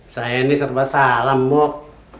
saya ini serba salam buk